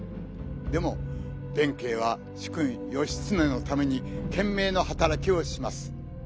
でも弁慶は主君義経のためにけんめいのはたらきをします。